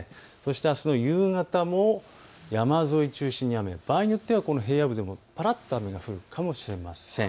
あすの夕方も山沿いを中心に雨、場合によっては平野部でもぱらっと雨が降るかもしれません。